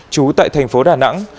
chú tại thành phố đà nẵng